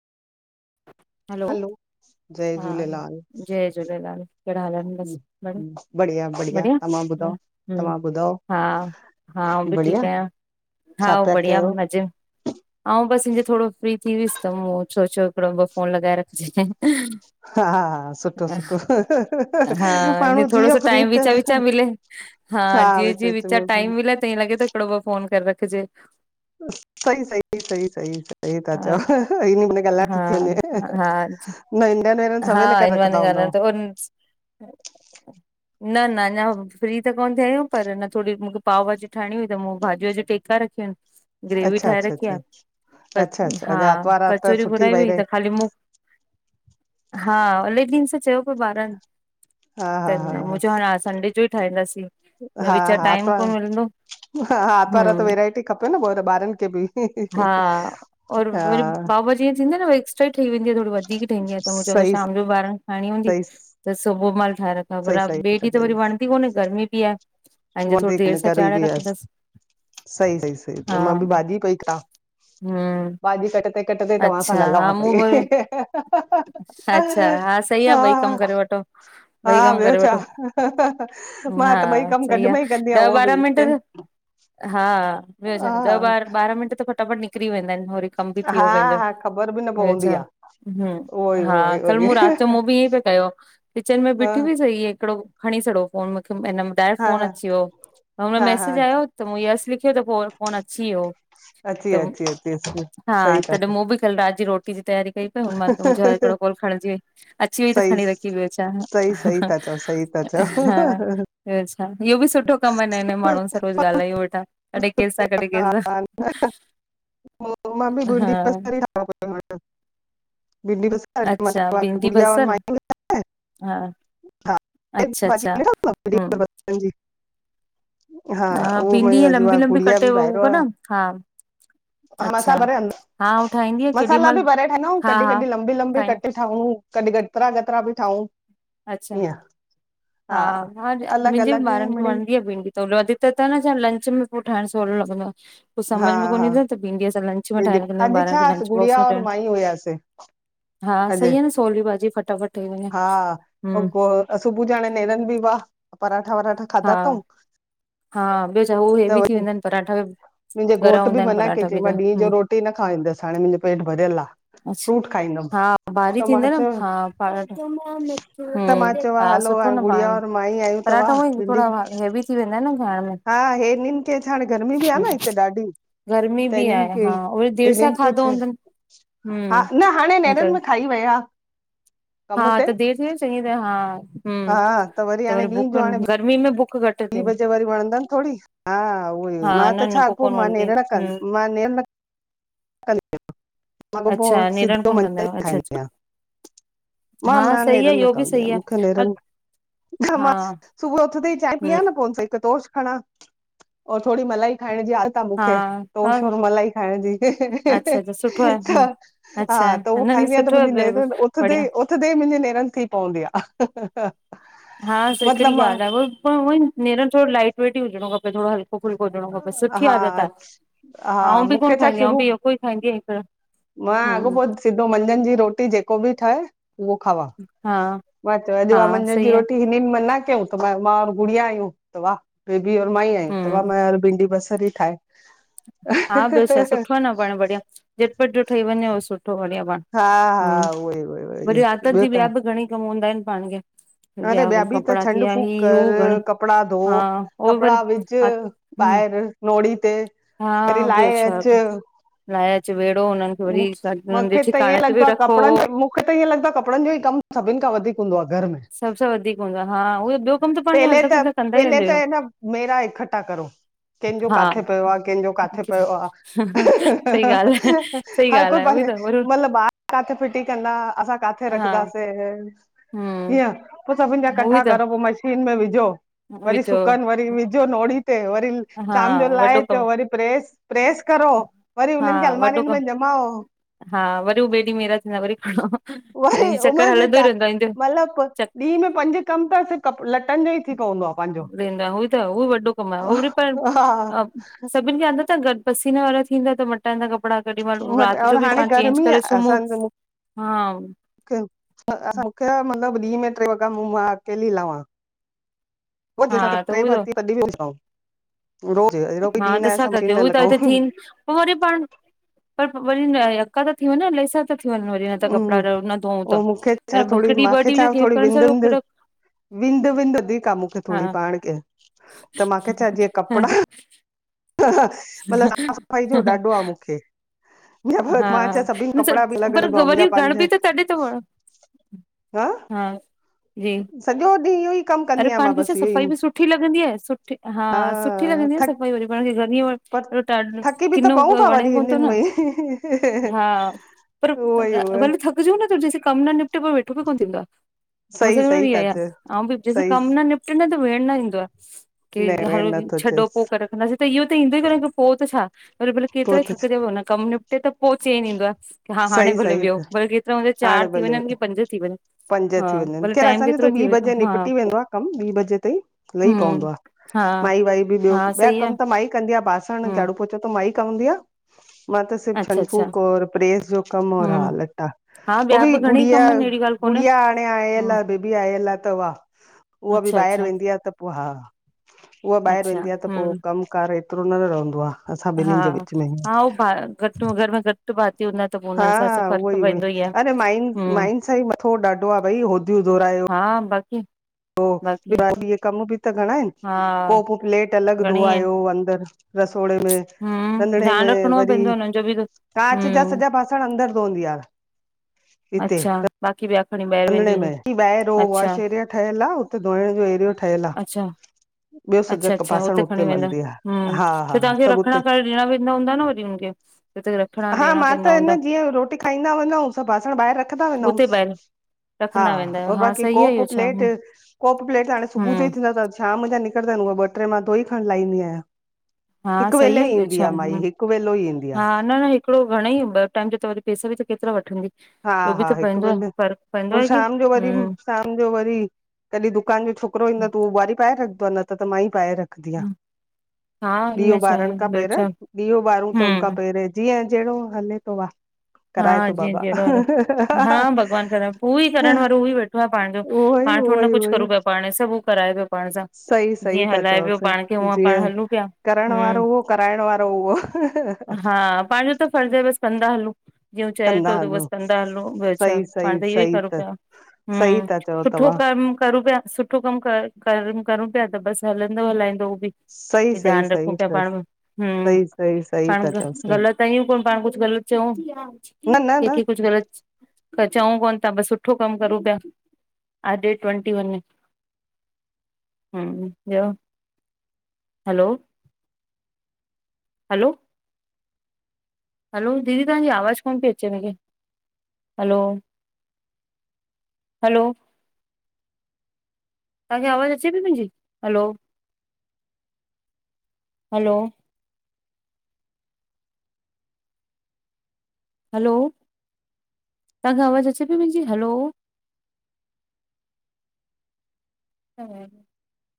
[inaudible] हलो जय हा झूलेलाल जय झूलेलाल कहिड़ा हाल आहिनि बस बढ़िया सब बढ़िया तव्हां ॿुधाव तव्हां ॿुधाव? हा हा होबि ठीक आहियां, हा छा पिया बढ़िया कयो मज़े ऊं बस [unintelligible] थोडो फ्री थी वयस त पो। सोचो हिकड़ो ॿ फोन लॻाए रख [unintelligible] [inaudible] हा सुठो सुठो हा माण्हू ईअं जी थोरो सो फ्री टाइम थे विचा विचा मिले हा जी जी वीच टाइम मिले त लॻे थो हिकड़ो ॿ फोन करे रखजे [unintelligible] सई सई ती सई सई ता हा चओ ईनी बहाने ॻाल्हाए हा थीे हा वने हा इन बहाने [unintelligible] न न अञा फ्री त कोन्ह थिया आहियूं पर न थोरी मूंखे पाव भाजी ठाहिणी हुई त मूं भाॼिय ज टेका रखियू आहिनि। ग्रेवी अच्छा ठाहे अच्छा रखी अच्छा आहे अच्छा अच्छा हा अॼु आर्तवार आ त कचोरी सुठी घुराई भई हुई रही त ख़ाली मूं [inaudible] हा [unintelligible] चयो पियो ॿारनि हा हा हा सही आ हा मुंहिं चयो हाण संडे जो ई ठाहींदासीं हा वीच हा टाइम आर्तवार कोन मिलंदो हा हा आरितवारु आ तव हम्म वैरायटी खपे न पोइ ॿारनि खे बि हा हा [unintelligible] ठहई वेंदी थोरी वधीक ठहंदी आहे त मू चयो सही शाम जो ॿार खे खांणी हूंदी सही त सुबुह म [unintelligible] ॿिए ॾींहुं त सही सही वडदी भी कोन्हे गर्मी बि आहे पंहिंज थोरी देर सां चाडे रखंदसि सईी सईी सईी त हा मां बि भाॼी पई डा हम्म भाॼी कट ते कट ते तव्हां सां अच्छा हा ॻाल्हाइ पई मूं ब अच्छा हा सही आहे ॿई कम करे वठो हा ॿई कम ॿियो करे छा वठो मां हा त ॿई कम गॾ सही आहे में ई कंदी आहियां ॾह उहो बि ॿारहां मिंट त हा ॿियो हा छा ॾह बार ॿारहां मिंट त फटाफट निकिरी वेंदा आहिनि वरी कम बि थ हा वियो पंहिंजो हा ख़बर बि न [unintelligible] पवंदी छाा आहे हमम उहो ई उहो ई हा उहो कल ई मूं राति जो मूं बि ईअं पिया कयो किचन में हा बिठी बिई सही ऐ हिकिड़ो खणी छॾो फोन हिन में डाइरेक्ट हा फोन हा अची वियो हुनो हा हा मैसेज आयो त मूं यस लिखियो त पोइ फोन अची वियो अची त अची अची अची [unintelligible] हा सही था तॾहिं चओ मूं बि कल रात जी रोटी जी तयारी कई [unintelligible] मुंहिंजो ह हिकिड़ो कोल खणजी व अची वई त सही खणी रखी बियो छा सही सही था चओ सही था चओ ह [unintelligible] इहो बि सुठो कमु आहे नए नए माण्हू सां रोज़ ॻाल्हाइयो वठा कॾहिं कहिंसा कॾहिं कहिंसा [unintelligible] बिंडी बसर अच्छा भिंडी गुड़िया बसर हा अच्छा अच्छा हम्म [unintelligible] [unintelligible] हा उहो भिंडी ईअं मुंहिंजु लंबी लंबी गुड़िया कटे बि बायर उहो आहे न हा हा अच्छा मसाल भरे हा आउं ठाहींदी आहियां [unintelligible] केॾी मसाला महिल बि भरे ठाइंदा ऊ हा कॾहिं हा कॾहिं लंबी लंबी ठाहींदी कटे ठाऊ कॾहिं कङ्हि ञतरा ञतरा बि ठांउ अच्छा हा [unintelligible] अलॻि मुंहिंजी अलॻि ॿारनि खे मिड़ई वणंदी आहे भिंडी त हो वधीक त न छा लंच में पो ठाणु सोहलो लॻंदो आहे कुझु हा समझ में कोन ई हा अंदा त भिंडीअ सां लंच [unintelligible] भिंडी अॼु ॿारनि छा खे लंच बॉक्स गुड़िया और मटाइण मां ई हुयासीं हा अॼु सही आहे न सोली भाजी फ़टाफ़ट ठही वञे। हम्म सुबु सुबुह जो हाणे नेरनि बि वा पराठा वराठा हा खाधा थऊं हा ॿियो छा हू हेवी थी वेंदा आइनि पराठा, मुंहिंजे ॻरा घोट बि हूंदा आहिनि मना कई पराठा चई बि मां त ॾींहं हम्म रोटी न खाईंदसि हाणे मुंहिंजो पेट भरियल आहे अच्छा हा भारी थींदा न चयो हा त मां चयो हा [unintelligible] हलो सुठो हाणे न गुड़िया पाण और मां ई आहियूं त वाह पराठाऊ ऊई भिंडी थोरा हैवी थी वेंदा न खाइण में हा हे हिननि खे छा हाणे गर्मी बि आहे न हिते ॾाढी गर्मी त बि इन्हिनि आहे खे हा उहे देरि त सां इन्हिनि के खाधो छा हूंदनि हा हम्म न हाणे नेरनि बि खाई वया। हा त देरि थी वई चङी त हा हम्म हा त हाणे वरी ॾींहं भूख जो हाणे गर्मी में भू ॿी बजे वरी वणंदनि थोड़ी हा उअ ई हा मां त न न छा पो कोन मां वणंदी नेरण कंद हम्म मां नेर इन [unintelligible] मां अॻो पो अच्छा नेरण सिधो कोन कंदा मंझंन आहियो अच्छा खाईंदी अच्छा आहियां। मां हा न सही आहे नेरनि न इहो बि कंदी सही आहियां, मूंखे आहे अ नेरनि न हा मां सु सुबुह यो उथंदे ही चाय हम्म पिया न पो हिन सां हिक तोष खणा और थोड़ी मलाई ख खाइण जी आदत आ हा मुखे हा टोष और मलाई खाइण जी अच्छा अच्छा सुठो आहे हम्म त हा अच्छा त उओ न न खाईंदी आहियां त सुठो आहे मुंहिंजी ब नेरनि उथंदे ही बढ़िया उथंदे ही मुंहिंजी नेरनि थी पवंदी आ हा हा हा स हिकिड़ी ॻाल्हि आहे उ उअ ई नेरनि थोड़ो लाइट वेट ई हुजणो खपे थोड़ो हल् हिक फुल्को हुजिणो खपे सुठी हा आदत आए, हा आऊं बि कोन मूंखे छा खाईंदी आया आऊं शुरू बि यको ई खाईंदी आया हिकड़ो मां अॻोपो सिधो मंझंन जी रोटी जेको बि ठहे उवो खावां हा मां चयो अॼु उआ हा मंझन जी सही आहे रोटी हिनिन मना कयूं त मां, मां और गुड़िया आयूं त वा बेबी और माई आयूं त हम्म मां भिंडी बसर ई ठाए हा ॿियो छा आए सुठो आए न पाण बढ़िया झटपट जो ठही वञे ओ सु सुठो बढ़िया पाण, हा हम्म हा उहोई उहोई वरी उहोई आदति ॿियो जी ॿिया त बि घणेई कम हूंदा आहिनि पाण खे अरे ॿिया बि त कपिड़ा थी छंड विया फ़ूक ही हू घणे कर, कपड़ा धो हा उहो वरी कपड़ा विझ हा हम्म ॿाएर नोड़ी ते हा वरी ॿियो लाए छा अच लाइच वेड़ो हुननि खे मूं वरी हुननि जे मूंखे त ठिकाणे ईअं ते बि लॻंदो आए रखो कपड़नि जो मूंखे त ईअं लॻंदो आहे कपड़नि जो ई कम कमु सभिनि खां वधीक हूंदो आए घर सभ सां वधीक हूंदो आ हा उहो ॿियो कम त पाण पहले हलंदा त फिलंदा कंदा ई पहले रहंदा त आहियूं अइन मेरा इकट्ठा करो कंहिंजो हा काथे पयो आ कंहिंजो काथे पयो आ, सही ॻाल्हि आहे सही हर को ॻाल्हि आहे उहोई पंहिं त वरी मतलब ॿार काथे फिटी कंदा असां काथे हा रखदासें हम्म हीअं पो सभिनि जा उहोई कठा त करो पो मशीन में विझो वरी विचो सुकन वरी विझो नोड़ी ते वरी हा शाम जो वॾो लाए अचो कमु वरी प्रेस प्रेस करो वरी हा उननि खे वॾो अलमारियुनि कम में ॼमाओ हा वरी उ बे ॾींहु मेरा थींदा वरी खणो उअ ई हीअ चक्कर उमिरि जे हलंदो ई चा रहंदो आहे ईंदो मतिलबु चक ॾींहं में पंज कम त सिर्फ़ कप लटनि जो ई थी पवंदो आ पंहिंजो। वेंदा उ त उ वॾो कमु आए उ वरी पर हा सभिन खे आदत आ गॾ पसीने वारा थींदा त मटाईंदा कपिड़ा केॾी महिल मट राति जो बि पाण चेंज करे सुम्हूं [inaudible] हा [unintelligible] ॾींह में ट्रे वॻा मां अकेली लावा [unintelligible] असां त ट्रे भाती तॾहिं बि [unintelligible] रोज अहिड़ो कोई हा ॾींहुं न आहे तेसां असां गॾु मशीन न उ ता थियन लॻाऊं। पो वरी पाण प व [unintelligible] पका ता थी वञनि [unintelligible] यका ता थी वञन वरी न त कपिड़ा न धोऊ त उहो मूंखे छा थोरी हिकु ॾींहुं ॿ मांखे ॾींहं छा जो गेप थोरी करण विंद सां विंद विंद विंद वधीक आए मुखे थोड़ी पाण के, त मांखे छा जीअं कपिड़ा मतिलबु साफ़ सफ़ाईअ जो हा ॾाढो आ मुखे हा मिन्स बि अलॻि अलॻि पर ऐं मुंहिंजा वरी घण पंहिंज बि त तॾहें तो वणे हा सॼो ॾींहुं इहो ई कमु कंदी अड़े आहियां पाण मां खे छा बसि इहो सफ़ाई ई बि सुठी लॻंदी आहे सुठी हा सुठी लॻंदी आहे थक सफ़ाई वरी पाण खे गर्णीअ पर उहो त थकी बि त किनो पऊं था घरवणे वरी कोन हिननि थो न में हा पर उहो ई उहो वरी थकिजो न त जहिंसे कमु न निपटे पर वेठो बि कोन थींदो आ मूंसां सही गॾु बि सही इयो था ई आ चओ आऊं बि जेसी सही कम न निपटे न त वेहण न ईंदो आ न केड़ी आ वेण हलो दीदी नथो छॾो पो अचेसि करे रखंदासीं त इओ त ईंदो ई कोने पो त छा? वरी भले पोइ केतिरा ई त थकिजी पवंदा कमु निपटे त पोइ चैन ईींदो आ कि हा हाणे सही भले सही वियो भले केतिरा हुन जा हाणे चार थी भले वञनि की पंज थी वञनि पंज हा थी वञनि भले खेर टाइम असांजो त केतिरो थी ॿी वियो बजे हा निपटी वेंदो आहे कमु ॿी बजे ताईं लही पवंदो हा माई वाई बि ॿियो हा ॿिया सही आहे कम त माई कंदी आहे बासण हम्म झाड़ू पोछो त माई कंदी आ मां त सिर्फ अच्छा छंड अच्छा फूंक और प्रेस जो कम और हा हम्म लटा हा उ ॿिया बि घणेई गुड़िया कम आहिनि अहिड़ी ॻाल्हि कोन्हे गुड़िया हाणे आएल हम्म आहे बेबी आएल त वाह उहा बि अच्छा ॿाहिरि अच्छा वेंदी आहे त पोइ हा उहा ॿाहिरि अच्छा वेंदी आहे त पोइ हम्म कम कार पर एतिरो न रहंदो आहे असां हा ॿि्नि जे विच में हा उहो भा घटि घर में घटि भाती हूंदा त पोइ हा हुननि सां हा त फ़र्क़ु उहोई उहोई पवंदो ई आहे अरे माइन हम्म माइन सां ई मथो ॾाढो आहे भई जो दोरयो हा बाक़ी पोइ बाक़ी ॿिया ॾीहं कम बि त घणा आहिनि हा कोप प्लेट अलॻि घणेई आहिनि धोआयो अंदर रसोड़े में हम्म रंधिणे ध्यानु में रखिणो वरी पवंदो हुननि जो बि त। कांच जा हम्म सॼा बासण अंदर धोअंदी आ हिते अच्छा बाक़ी ॿिया क रंधिणे में की ॿाहिरि हो वॉश एरिया ठहियल आहे हुते धोइण जो एरिया ठहियलु आ अच्छा ॿियो सॼा अच्छा अच्छा बासण हुते खणी वेंदा मलदी आ हु हा हा त तव्हांखे सभु हुते रखणा करे ॾणाें वेदा हूंदा न वरी हुनखे ॼिथे हा मां त जीअं रोटी खाईंदा वेदांयु असां बासण ॿाहिरि रखंदा उते वेदांयुस ॿाहिरि हा रखंदा वेंदा आहियो और हा बाक़ी सही आहे कोप इहो छा प्लेट कोप प्लेट हाणे सुबुह जो हम्म ही थींदा तस हा मुहिंजा निकरंदा आहिनि उहा ॿ ट्रे मां धोई खणी लाहंदी आहियां हा हिकु सही वेलो आहे ॿियो ईंदी छा आ हम्म माई हिकु वेलो ई ईंदी आ हा न हिकिड़ो घणेई ॿ टाइम ॼा त वरी पैसा ॿि केतिरा वठंदी इहो बि त पेवंदो फ़र्क़ पोइ शाम जो वरी शाम जो वरी कॾहिं दुकान जो छोकिरो ईंदो त ॿुहारी पाए रख ऊन न त त मां ई पाए रखंदिआ हा ॾिओ इनमें छा आहे ॿारण खां ॿियो पेंरा छा ॾिओ ॿारूं त हुन खां हम्म पेरं जीअ जेहिड़ो हले थो वाह हा कराए थो बाबा [unintelligible] हा उहोई भॻवान करण पूरी करण वारो उहो वेठो आ पानजो पाण थोरो न उहोई कुझु उहोई करूं पिया पाण सभु कराए पियो पाण सां सही सही जीअं था हलाए चओ बियो पाण खे सही उह पाण जीअं हलूं पिया करण वारो हूं उहो कराइण वारो उहो हा पंहिंजो त फर्ज़ आहे बसि कंदा हलूं ॿियो चए कंदा थो त हलूं। बसि कंदा हलूं ॿियो छा सही पाण सही त इहो ई सही करूं त पिया सही हूं, था चओ सुठो तव्हां करम करूं पिया सुठो कम कर कर करूं पिया त बसि हलंदो हलाईंदो सही [inaudible] सही ध्यानु रखूं सही पिया त पाण हम स सही सही सही पाण था चओ न ग़लति आहियूं को पाण कुझ ग़लत चउ न न कहिन्खे कुझु ग़लत त चऊं कोन था बसि सुठो कमु करू पिया ह डेट ट्वेंटी वन में हूं, ॿियो हलो हलो हलो दीदी तव्हांजी आवाज़ कोन पई अचे हिनखे हलो हलो तव्हांखे आवाज़ अचे पई मुंहिंजी हलो हलो हलो तव्हांखे आवाज़ु अचे पई मुंहिंजी हलो [inaudible] हा